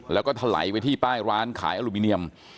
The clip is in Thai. แล้วก็ถลายไปที่ป้ายร้านขายอลูมิเนียม